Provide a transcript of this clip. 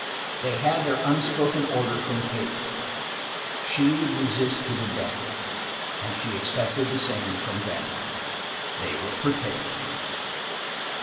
They had their unspoken order from Kate. She would resist to the death and she expected the same from them. They were prepared.